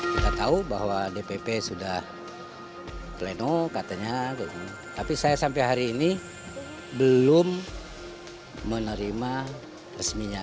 kita tahu bahwa dpp sudah pleno katanya tapi saya sampai hari ini belum menerima resminya